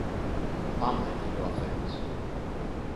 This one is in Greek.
Πάμε, είπε ο αφέντης